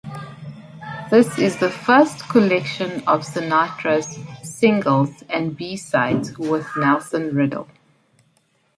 This is the first collection of Sinatra's singles and B-sides with Nelson Riddle.